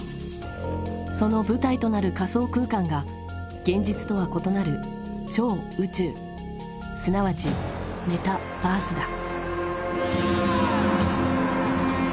その舞台となる仮想空間が現実とは異なる「超」「宇宙」すなわち「メタ」「バース」だ。